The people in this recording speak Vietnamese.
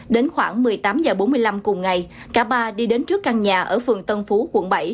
đến khoảng một mươi tám h bốn mươi năm cùng ngày cả ba đi đến trước căn nhà ở phường tân phú quận bảy